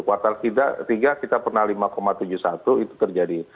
kuartal tiga kita pernah lima tujuh puluh satu itu terjadi